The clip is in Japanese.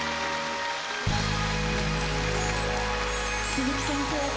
鈴木先生